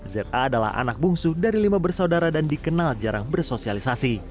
za adalah anak bungsu dari lima bersaudara dan dikenal jarang bersosialisasi